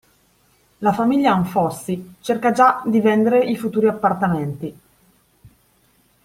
La famiglia Anfossi cerca già di vendere i futuri appartamenti.